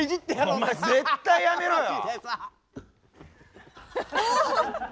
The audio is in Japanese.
お前絶対やめろよ！